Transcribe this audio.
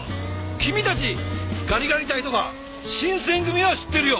君たちガリガリ隊とか新撰組は知ってるよ。